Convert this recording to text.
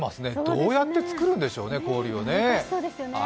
どうやって作るんでしょうね。